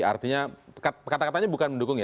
artinya kata katanya bukan mendukung ya